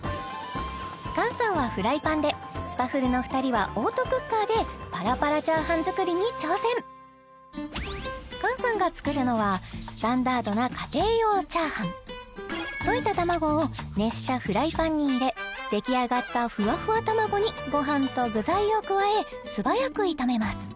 菅さんはフライパンでスパフルの二人はオートクッカーでパラパラチャーハン作りに挑戦菅さんが作るのはスタンダードな家庭用チャーハン溶いた卵を熱したフライパンに入れ出来上がったふわふわ卵にごはんと具材を加え素早く炒めます